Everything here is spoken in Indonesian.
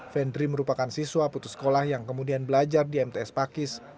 fendri merupakan siswa putus sekolah yang kemudian belajar di mts pakis